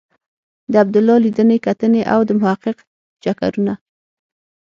د عبدالله لیدنې کتنې او د محقق چکرونه.